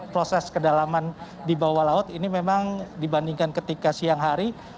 proses kedalaman di bawah laut ini memang dibandingkan ketika siang hari